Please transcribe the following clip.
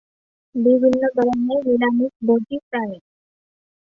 বিভিন্ন ধরনের নিরামিষভোজী প্রাণী।